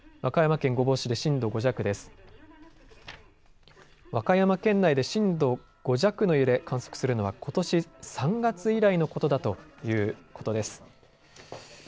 和歌山県内で震度５弱の揺れ、観測するのはことし３月以来のことだということです。